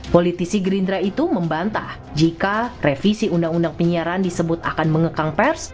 politisi gerindra itu membantah jika revisi undang undang penyiaran disebut akan mengekang pers